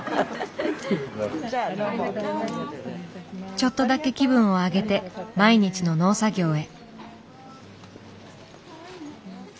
ちょっとだけ気分を上げて毎日の農作業へ。